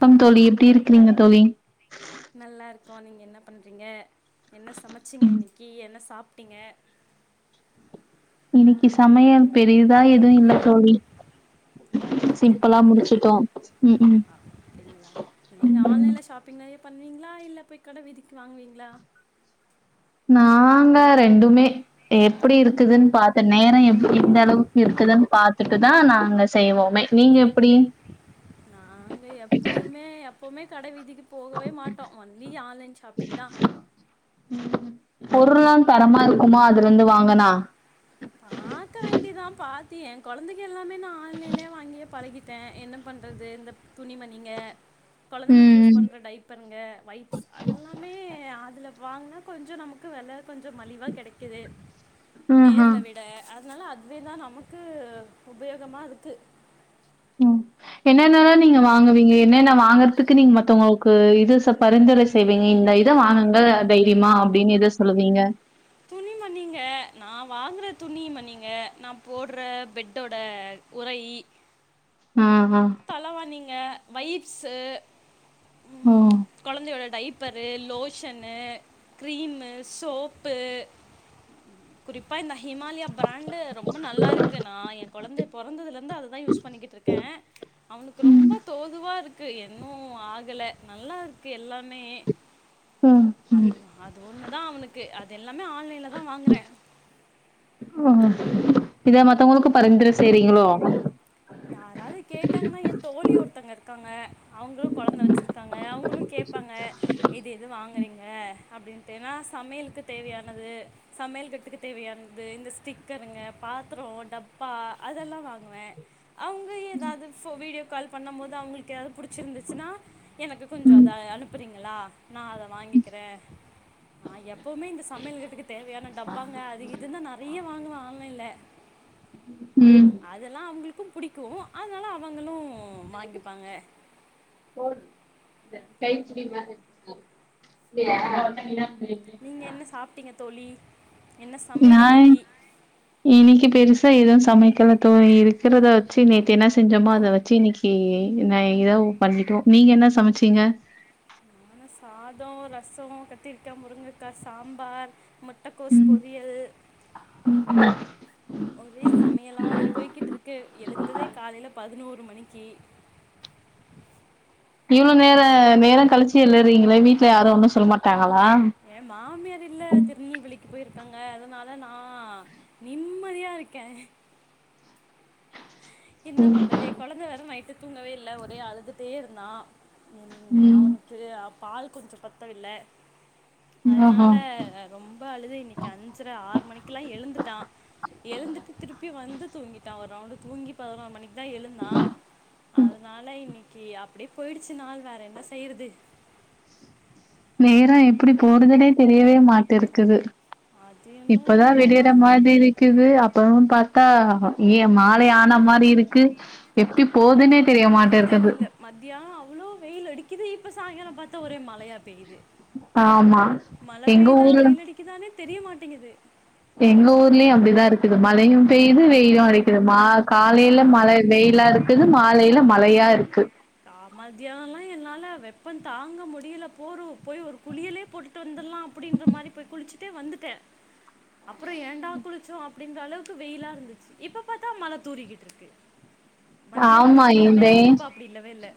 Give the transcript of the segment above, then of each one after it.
பம் தோழி எப்டி இருக்குறீங்க தோழி நல்லா இருக்கு நீங்க என்ன பண்றீங்க என்ன சமச்சிங்க ம் இன்னைக்கி என்ன சாப் ட்டிங்க இன்னிக்கு சமயல் பெரியுதா எதுவு இல்ல தோழி சிம்பிளா அப்படிங்களா முடிச்சுட்டோ ம் ம் அப்படிங்களா நீங்கள் ம் ம் ஆன்லைனில் ஷாப்பிங் நிறைய பண்ணுவீங்களா இல்ல போய் கட விதிக்கு வாங்குவீங்களா நாங்க ரெண்டுமே எப்படி இருக்குதுன்னு பாத்த நேர எடி எந்த அளவுக்கு இருக்குதுன்னு பாத்துட்டுதா நாங்க செய்வோமே நீங்க எப்படி பொப்பமே கடைவிதிக்கு கு போகவே மாட்டோ ஒன்லி ஆன்லைன் ஷாப்பிங் தா ம் பொருள்லா தரமா இருக்குமா அதுலருந்து வாங்குனா ஏ கொழந்தைக எல்லாமே நா ஆன்லைன்லயே வாங்கியே பழகிட்டே என்ன பண்றது இந்த துணிமணிங்க கொழந்தைங்களுக்கு யூஸ் ம் பண்ற டைப்பர்ங்க வைப்ஸ் அதெல்லாமே அதுல வாங்கினா கொஞ்ச நமக்கு வெல கொஞ்ச மலிவா கெடைக்குது ம் ஹ நேர்ல வெட அ அதனால அதுவேதா நமக்கு உபயோகமா இருக்கு ம் என்னென்னன்னா நீங்க வாங்குவீங்க என்னென்ன வாங்கறதுக்கு நீங்க மத்தங்களுக்கு இது சப் பரிந்துரை செய்விங்க இந்த ஐ எத வாங்குங்க தைரியமா அப்படின்னு எத சொல்லுவீங்க துணி மண்ணிங்க நா வாங்குற துணி மணிங்க நா போடுற பெட்டோட உரை ஆ ஆ தலவா நீங்க வயிர் ச ம் ஓ கொழந்தையோட டைப் ப்பர்ரு லோஷன்னு கிரீம்மு சோப்பு குறிப்பாய்ந்த ஹிமாலயா பிராண்டு ரொம்ப நல்லாயிருக்கு நா ஏ கொழந்த பொறந்ததுலருந்து அதுதா யூஸ் பண்ணிக்கிட்ருக்கே அவனுக்கு அ ரொம்ப ம் தோதுவா நல்லாருக்கு இன்னு ஆகல நல்லாருக்கு எல்லாமே ஓ அதுதா அது ஒன்னுதா அவனுக்கு அது எல்லாமே ஆன்லைன்ல தா வாங்குறே இத மத்தவுங்களுக்கு பரிந்துரை செய்றீங்களோ யாராது கேட்டாங்கன்னா என் தோழி ஒருத்தங்க இருக்காங்க அவுங்களு கொழந்த வச்சிருக்காங்க அவுங்களு கேட்பாங்க இது எது வாங்குறீங்க ங்க அப்படின்ட்டேன்னா சமையலுக்கு தேவையானது சமையல் கட்டுக்கு தேவையானது இந்த ஸ்டிக்கருங்க பாத்திர டப்பா அதெல்லா வாங்குவே அவுங்க ஏதாவது ஃபோ வீடியோ கால் பண்ணும்போது அவங்களுக்கு யாரு புடிச்சிருந்துச்சுன்னா எனக்கு கொஞ்ச அதை அனுப்புறீங்க எல்லா நா அத வாங்கிக்கிறே நா எப்பவுமே இந்த சமையல் கட்டுக்கு தேவையான டப்பாங்க அது இதுன்னு நெறையா வாங்குவே ஆன்லைன்ல ம் அதெல்லா அவுங்களுக் இப்பவு புடிக்கு அதனால அவங்களு ம் வாங்கிப்பாங்க டைட் ஸ்லீமா அ அ ஒன்னுமே புரியல நீங்க என்ன சாப்ட்டீங்க தோழி என்ன நா சமையல் இன்னைக்கு இன்னைக் பெருசா எது சமைக்கல தோழி இருக்கிறத வச்சு நேத்து என்ன செஞ்சோமோ அத வச்சு இன்னைக்கி நா ஏதோ பண்ணிட்டோம் நீங்க என்ன சமைச்சீங்க சாதோ ரசோ கத்திரிக்கா முருங்கக்கா சாம்பார் முட்டக்கோஸ் ம் பொறியல் ஒரே சமையலாதா போய்கிட்டு இருக்கு எழுந்ததே காலைள பதினோரு மணிக்கி இவ்ளோ நேரா நேர கழிச்சி எழுறீங்களே வீட்ல யாரு ஒன்னு சொல்ல மாட்டாங் எ மாமியார் இல்ல திருநெல்வேலிக் போயிருக்காங்க அதனால நா நிம்மதியா இருக்க என்ன ம் பண்றது குழந்த வேற நைட்டு தூங்கவே இல்ல ஒரே அழுதுட்டே இருந்தா ம் அவனுக்கு அவ் பால் கொஞ்ச பத்தவில்ல ஆஹா அதனால ரொம்ப அழுது இன்னைக் அஞ்சர ஆறு மணிக்கு எல்லா எழுந்துட்டா எழுந்துட்டு திருப்பி வந்து தூங்கிட்டா ஒர் ரவுண்டு தூங்கி பதினோர் மணிக் தா எழுந்தா அதுனால இன்னிக்கு அப்படியே போயிடுச்சு நாள் வேற என்ன செய்றது நேரோ எப்புடி போறதுனே தெரியவே மாட் இருக்குது அது இன்னும் இப்பதா விடியெற உண்மைதான் மாதிரி இருக்கிது அப்றோ பா தா ஏ மாலை ஆன மாரி இருக்கு எப்டி போதுனே தெரில மத்தியானோ அவுளோ வெயில் அடிக்குது இப்ப சாய்ங்காலோ பாத்தா ஒரே மழையா பெய்யுது ஆமா மழ எங்க பெய்தா ஊர்ல வெயில் அடிக்குதானே தெரிய மாட்டேங்குது எங்க ஊர்லியு அப்டிதா இருக்குது மழையு பெய்து வெய்லு அடிக்குது மா கா காலேல மழ வெய்லா இரு க்குது மாலைள மழையா இருக்கு தா மத்தியானலா என்னால வெப்பந்தாங்க முடியில போறு போய் ஒரு குளியலே போட்டுட்டு வந்துர்லா அப்டின்ற மாரி போய் குளிச்சுட்டே வந்துட்டே அப்பறோ ஏண்டா குளிச்சோ அப்டின்ற அளவுக்கு வெயிலா இருந்துச்சு இப்ப பாத்தா மழ தூரிகிட்டு இருக்கு ஆமா மத்தியானத்துக்கு இருந்த இந்தே வெயில் இப்போ அப்படி இல்லவே இல்லை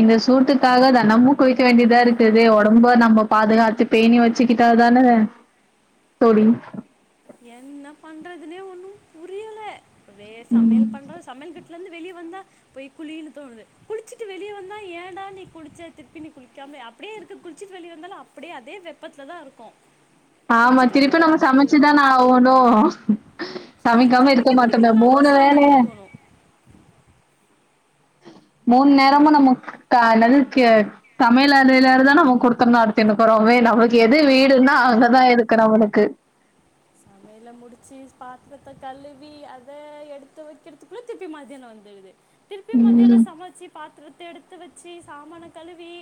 இந்த சூட்டுகா காக தெனமு குளிக்க வேண்டியதா இருக்குது ஒடம்ப நம்ம பாதுகாத்து பேணி வச்சுக்கிட்டா தான தோழி என்ன பண்றதுனே ஒண்ணு புரியல அதே சமையல் பண்ற சமைல் கட் ல இருந்து வெளிய வந்தா போய் குழின்னு தோணுது குளிச்சுட்டு வெளியே வந்தா ஏன்டா நீ குளிச்ச திருப்பி நீ குளிக்காம அப்டியே இருக்கு குளிச்சிட்டு வெளிய வந்தாலு அப்டியே அதே வெப்பத்லதா இருக்கோ ஆமா திருப்பி நம்ம சமச்சுதான ஆ ஒவ்வொன்னு சமை சமைக்காம சமைக்க இருக்க மாட்டோம முடிக்கலனாலும் மூணு சாமான் வேலய கழுவணும் மூண் நேரமு நம்மோ காலல் கேட் சமைல் அறைல இருந்தா நம்ம குடுத்தன் நடுத்தின்குறோ வே நமக்கு எது வீடுன்னா அங்கதா இருக்கு நம்மளுக்கு சமைல முடிச்சு பாத்ரத்த கழுவி அத எடுத்து வக்கிற்துக்குள்ள திருப்பி மதியானோ வந்துடுது திருப்பி மதியானோ ம் சமச்சி பாத்துரத் த எடுத்து வெச்சி சாமான கழுவி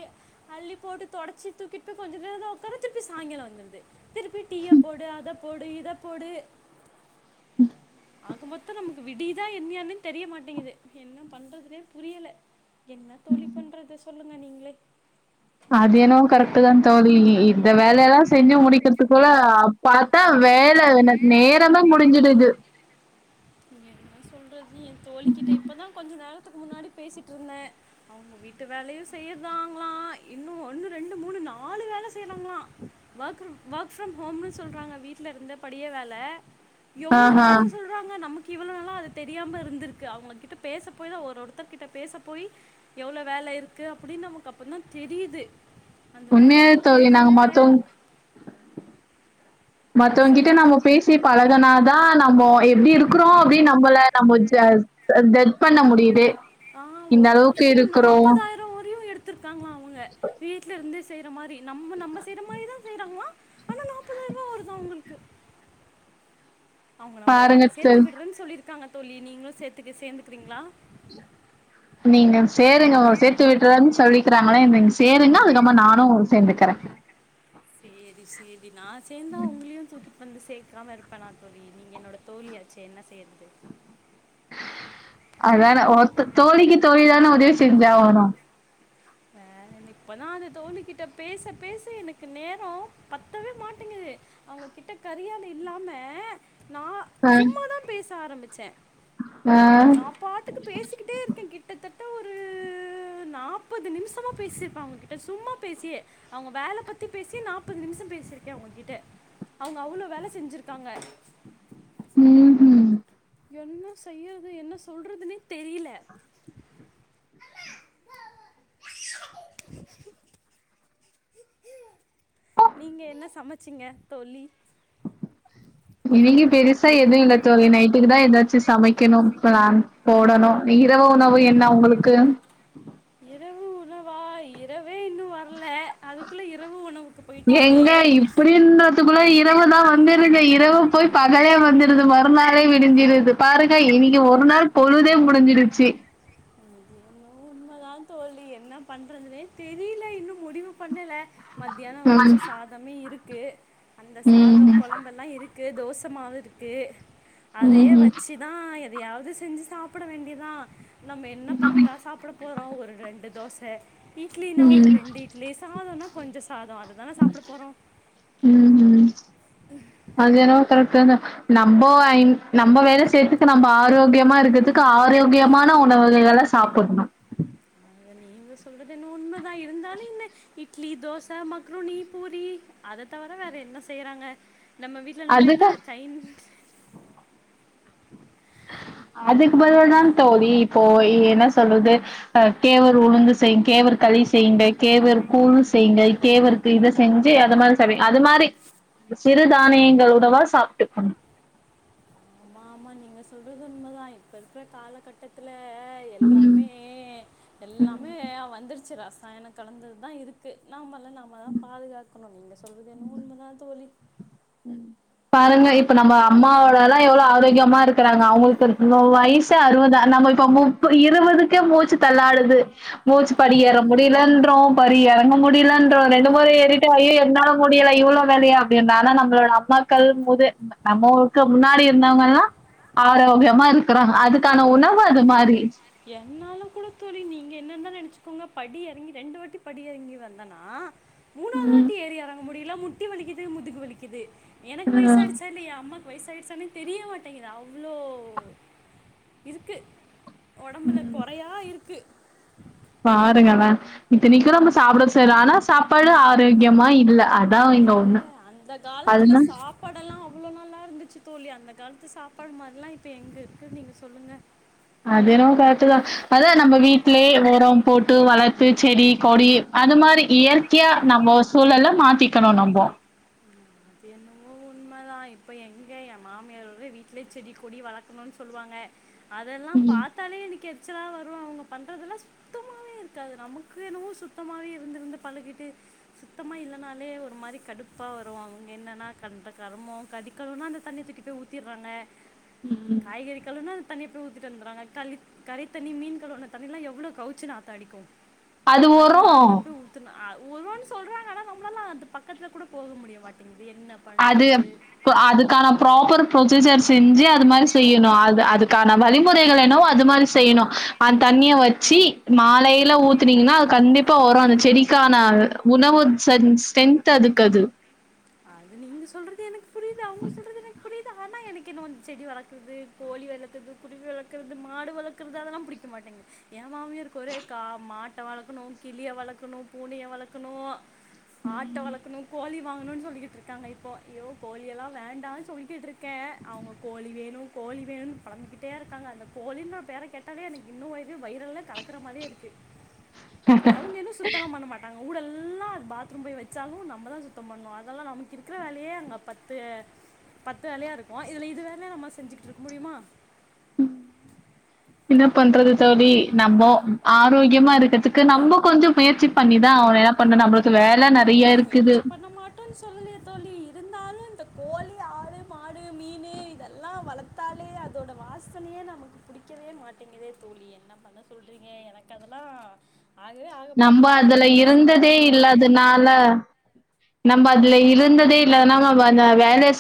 அள்ளி போட்டு தொடச்சி தூக்கிட் போய் கொஞ்ச நேரதா உக்காரே திருப்பி சாய்ங்காலோ வந்துர்து திருப்பி டீய போடு அத போடு இ த போடு ஆக மொத்தோ நமுக்கு விடிதா என்னியானே தெரியமாட்டேங்குது என்ன பண்றதுனே புரியல என்ன தோழி பண்றது சொல்லுங்க நீங்ளே அது ஏனோ கரெக்ட்டு தா தோழி இ இந்த வேலலா செஞ்சு முடிக்கற்துக்குள்ள அ பாத்தா வேல நே நேரந்தா முடிஞ்சுடுது என்ன சொல்ற இனி எ தோழிக்கிட்ட இப்போதா கொஞ்ச நேர த்துக்கு முன்னாடி பேசிட்டிருந்த அவுங்க வீட்டு வேலயு செய்யுற்தாங்ளா இன்னு ஒன்னு ரெண்டு மூணு நாலு வேல செய்றாங்ளா வகிரு வெக் ஃப்ரம் ஹோம்னு சொல்றாங்க வீட்ல இருந்த படியே வேல எவுளோ ஆஹா வேல சொல்றாங்க நமக் இவுளோ நாளா அது தெரியாம இருந்திருக்கு அவுங்ககிட்ட பேச போய்தா ஒரு ஒருத்தர் கிட்ட பேச போய் எவுளோ வேல இருக்கு அப்புடின் நமுக்கு அப்பந்தா தெரியிது உண்மியாவே தோழி நாங்க மத்தோங் மத்தவங்கிட்ட சொல்லுங்கள் நம்மோ பேசி பழகனாதா [unintelligible] நம்போ எப்டி இருக்குறோ அப்டீன் நம்பள நம்போ ஜ அ ஜட்ஜ் பண்ண முடியிது ஆ ஒரு மாஸ்த்துக்கு நாப்பதாயிரோ வரையு எடுத் தாங்கலா அவுங்க வீட்ல இருந்தே இந்த மாரி நம்ம நம்ம செய்ற மாரிதா செய்றாங்ளா ஆனா நாப்பதாய்ருவா வருதா அவுங்குளுக்கு அவுங்க நம்ப்ள பாருங்க என்ன சேர்த்து சார். விடுறன் சொல்லி இருக்காங்க தோழி நீங்ளு சேத்துக்க சேந்துக்றீங்ளா நீங்க சேருங்க உங் சேத்து விட்றன் சொல்லிக்கிறாங்களே நீங் சேரிங்கனா [unintelligible] நானு சேந்துக்கறே சேரி சேரி நா சேந்தா உங்ளியு தூக்கி வந்து சேக்காம இருப்பனா தோழி நீங்க என்னோட தோழியாச்சே என்ன செய்யற்து அதான ஒர்த்த தோழிக்கு தோழி தானே உதவி செஞ்சாவனோ வேறென்ன இப்பதா அந்த தோழி கிட்ட பேச பேச எனக்கு நேரோ பத்தவே மாட்டேங்குது அவுங்ககிட்ட கறியால இல்லாம நா ஆ சும்மாதா பேச ஆரம்பிச்ச ஆ நா பாட்டுக்கு பேசிக்கிட்டே இருக்கே கிட்டத்தட் ட ஒரு நா ப்பது நிம்சமா பேசிர்ப்ப அவுங்க கிட்ட சும்மா பேசியே அவுங்க வேல பத்தி பேசி நாப்பது நிம்ஸோ பேசிருக்கே அவுங்ககிட்ட அவுங்க அவ்ளோ வேல செஞ்சிருக்காங்க ம் ம் என்ன செய்யறது என்ன சொல்றதுன்னே தெரியில நீங்க என்ன சமைச்சிங்க தோழி இன்னக்கி பெருசா எதும் இல்ல தோழி நைட்டுக்கு தா ஏதாச்சு சமைக்கணும் ப்ளான் போடணு இரவு உணவு என்ன உங்களுக்கு இரவு உணவா இர வே இன்னு வர்ல அது குள்ள இரவு உணவு எங்க இப்பிடின த்துக்குள்ள இரவுதா வந்துருமே இரவு போய் பகலே வந்துறுது மறுநாளே விடிஞ்சிருது பாருங்க இன்னைக்கு ஒரு நாள் பொழுதே முடிஞ்சிருச்சு அதுதான் தோழி என்ன பண்றதுன்னே தெரில இன்னும் முடிவு பண்ணல மதியானம் ம். வடுச்ச சாதமே இருக் கு அந்த சாதோ ம்ஹ்ம். கொழம்பெல்லா இருக் கு தோசமாவு இருக்கு அதயே ம்ஹ்ம். வச்சுதான் எ எதயாவது செஞ்சு சாப்ட வேண்டிதா நம்ம என்ன பத்தா சாப்ட றோ ஒரு ரெண்டு தோச இட்லினா ஒரு ம். ரெண்டு இட்லி சாதோனா கொஞ்ச சாதோ அதுதான சாப்ட போறோ ம்ஹ்ம். அது என்னவோ [unintelligible] நம்போ ன் நம்ம வேல செய்றதுக்கு நம்ப ஆரோக்கியமா இருக்கறதுக்கு ஆரோக்கியமான உணவுககள சாப்பட்ணும் அத நீங்க சொல்றது என்னமோ உண்மதா, இருந்தாலும் என்ன இட்லி, தோச, மக்ருனி, பூரி, அத தவர வேற என்ன செய்றாங்க நம்ம வீட்ல நம்ம என்ன அதுக்கு சைன் அதுக்கு பதிலா தான் தோழி இப்போ என்ன சொல்றது அ கேவர் உளுந்து செய்ங் கேவர் களி செய்ங்க கேவர் கூழு செய்ங்க கேவருக்கு இத செஞ்சு அது மாரி சாபி அது மாரி சிறு தானியங்களுடவா சாப்ட்டுக்கணும் ஆமா ஆமா நீங்க சொல்றது உண்மதான் இப்ப இருக்குற காலகட்டத்துல ல ம் எல்லாமே எல்லாமே வந்துரு ச்சு ரசாயனம் கலந்தது தா இருக்கு நாம ல நம்ம தான் பாதுகாக் க்கணும் நீங்க சொல்றது என்னமோ உண்மதான் தோழி பாருங்க இப்ப நம்ம அம்மாவோடல்லா எவ்ளோ ஆரோக்கியமா இருக் க்கறாங்க அவுங்களுக்கு இன்னோ வயசு அறுவதா நம்மளு இப்ப முப்ப இருவதுக்கே மூச்சு தள்ளாடுது மூச்சு படி அது ஏற என்- முடியலன்றோம் படி இற [unintelligible] முடிலன்றோம், ரெண்டு மொற எறிட்டு அய்யோ என்னால முடில இவ்ளோ வேலயா அப்டினானா நம் நம்மோளட அம்மாக்கள் முது நம்மளுக்கு முன்னாடி இருந்தவங்கல்லாம் ஆரோக்கியமா இருக்குறோ அதுக்கான உணவு அது மாரி என்னாலும் கூட தோழி, நீங்க என்ன இருந்தாலு நெனைச்சுக்கோங்க, படி எறங்கி, ரெண்டு வாட்டி படி எறங்கி வந்தன்னா மூணாவது ம் வாட்டி ஏரி எறங்க முடில முட்டி வலிக்குது முதுகு வலிக்குது எனக்கு வயசு ம் ஆயிடுச்சா இல்லியா அம்மாக் வயிசாயிச்சானே தெரிய மாட்டேங்குது அவ்ளோ இருக்கு ஒடம்புல குறையா இருக்கு [inaudible] பாருங்களே இத்த நிக்கிறவங்க சாப்டவு செய்றோ ஆனா சாப்பாடு ஆரோக்கியமா இல்ல அதா இங்க ஒன்னு ஆ அந்த காலத்துல சாப்பாடெல்லா அவ்ளோ நல்லா இருந் சு தோழி அந்த கால்த்து சாப்பாட் மார்லா இப்ப எங்க இருக்கு நீங்க சொல்லுங்க அது என்னமோ கர்ட்தா அதா நம்ப வீட்லயே எவ்ளோ ஒரம் போட்டு வளர்த்து செடி கொடி அது மாரி இயற்கையா நம்போ சூழல்ல மாத்திக்கணு நம்போ அது என்னவோ உண்மதா இப்ப எங்கே எ மாமியாரோட வீட்லயே செடி கொடி வளக்கணுன்னு சொல்லுவாங்க அதெல்லா ம். பாத்தாலே எனக்கேது ச்சலா வரோ அவுங்க பண்றதுலா சுத்தமாவே இருக்காது நமக்கு என்னவோ சுத்தமாவே இருந்திருந்து பழகிட்டு சுத்தமா இல்லனாலே ஒரு மாரி கடுப்பா வருவோ என்னென்னா கண்ட கருமோ கறி கழுவுனா அந்த தண்ணிய தூக்கிட் போயி ஊத்திறாங்க காய்கறி கழுவுனா அந்த தண்ணிய போயி ஊ ட்டு வந்துர்வாங்க கலி கறித்தண்ணி மீன் கழுவுன தண்ணில்லா எவ்ளோ கவுச்சு நாத்த அடிக்கோ அது அதெல்லா வரும். அதுல போயி ஊத்துனா ஒரோன்னு சொல்றாங்க ஆனா நம்ளாலலா அது பக்கத்துல கூட போக முடியமாட் அது ப அதுக்கான புரோபெர் ப்ரொசீஜர்ஸ் செஞ்சு அது மாரி செய்யணு அது அதுக்கான வழி முறைகள் என்னவோ அது மாரி செய்யணு அந்த் தண்ணிய வெச்சு மாலையல ஊத்துனீங்கனா கண்டிப்பா வரும் அந்த செடிக்கான உணவு ஸ்ட்ரென்த் அதுக்கு அது அது நீங்க சொல்றது எனக்கு புரிது அவங்க சொல்றது எனக்கு புரிது ஆனா எனக்கு இன்னோ வந்து செடி வளர்க்கறது கோழி வளர்க்கறது குருவி வளர்க்கறது மாடு வளர்க்கறது அதெல்லா புடிக்க மாட்டேங்க எ மாமியார்க்கு ஒரே கா மாட்ட வளக்கணு கிளிய வளக்கணு பூனையை வளக்கணு ஆட்ட வளக்குன்னு கோழி வாங்குன்னு சொல்லிக்கிட் தாங்க இப்போ ஐயோ கோழி எல்லா வேண்டான்னு சொல்லிக்கிட்டு இருக்கே அவுங்க கோழி வேணு கோழி வேணுன்னு பளர்ந்துக்கிட்டே இருக்காங்க அந்த கோழின்னு ஒரு பேரை கேட்டாலே எனக்கு இன்னும் இது வைரலாக கலக்கிற மாதிரியி இருக்குது அவங்க எதுவும் சுத்தமா பண்ண மாட்டாங்க ஊடெல்லா அது பாத்ரூம் போயி வச்சாலு நம்மதா சுத்தோ பண்ணும் அதெல்லாம் நமக்கு இருக்கற வேலயே அங்க பத்து பத்து வேலயா இருக்கோ இதுல இது வேலயா நம்ம செஞ்சுகிட்டு இருக்க முடியுமா என்ன பண்றது தோழி நம்மோ ஆரோக்கியமா இருக்கறதுக்கு நம்போ கொஞ்சோ முயற்சி பண்ணிதா அவுன்னோ எதா பண்டு நம்மள நம்மோ என்ன முயற்சி பண்ண மாட்டோன்னு சொல்லலியே தோழி இருந்தாலு இந்த கோழி ஆடு மாடு மீனு இதெல்லா வளத்தாலே அதோட வாசனையே நமக்கு பிடிக்கவே மாட்டேங்கிதே தோழி என்ன பண்ண சொல்றீங்க எனக்கு அதெல்லா ஆகவே ஆக நம்ப மாட்டேங்குது என்ன செஞ்சாலு புடிக்கல ல நம்ப அதுல இருந்ததே இல்லாதுனாவோ வ அந்த வேலய செ